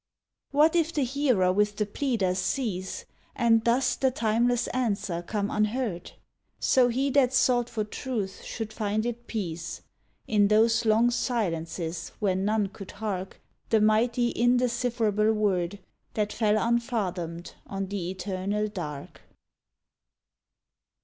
What if the hearer with the pleader cease, And thus the timeless answer come unheard? So he that sought for truth should find it peace, In those long silences where none could hark The mighty, indecipherable Word That fell unfathomed on the eternal dark.